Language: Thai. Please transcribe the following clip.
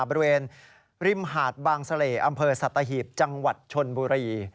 บริเวณริมหาดบางเสล่อำเภอสัตหีบจังหวัดชนบุรี